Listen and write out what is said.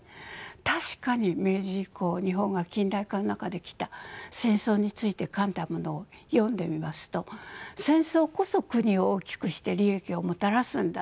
確かに明治以降日本が近代化の中できた戦争について書いたものを読んでみますと戦争こそ国を大きくして利益をもたらすんだ。